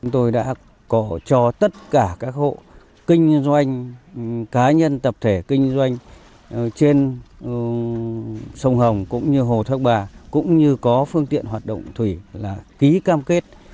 tôi đã cổ cho tất cả các hộ kinh doanh cá nhân tập thể kinh doanh trên sông hồng cũng như hồ thác bà cũng như có phương tiện hoạt động thủy là ký cam kết